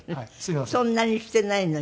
そんなにしてないのに？